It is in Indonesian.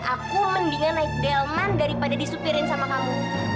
aku mendingan naik delman daripada disupirin sama kamu